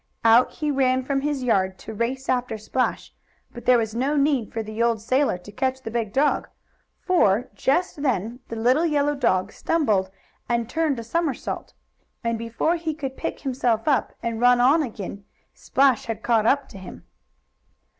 Out he ran from his yard to race after Splash, but there was no need for the old sailor to catch the big dog. For, just then, the little yellow dog stumbled, and turned a somersault. And before he could pick himself up, and run on again, Splash had caught up to him.